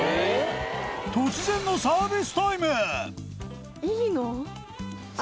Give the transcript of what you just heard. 突然のサービスタイムいいの？